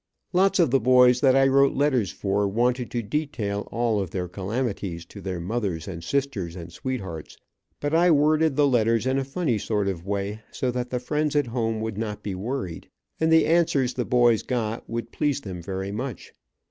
Lots of the boys that wrote letters for wanted to detail all of their calamities to their mothers and sisters and sweet hearts, but I worded the letters in a funny sort of way, so that the friends at home would not be worried, and the answers the boys got would please them very much.